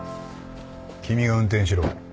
君が運転しろ。